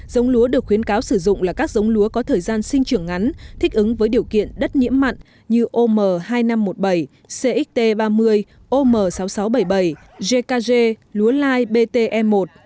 giống lúa được khuyến cáo sử dụng là các giống lúa có thời gian sinh trưởng ngắn thích ứng với điều kiện đất nhiễm mặn như om hai nghìn năm trăm một mươi bảy cxt ba mươi om sáu nghìn sáu trăm bảy mươi bảy jk lúa lai bt một